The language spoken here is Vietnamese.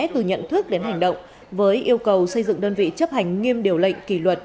từ nhận thức đến hành động với yêu cầu xây dựng đơn vị chấp hành nghiêm điều lệnh kỳ luật